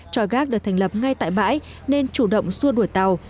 trò gác được thành lập ngay tại bãi nên chủ động xua đuổi tàu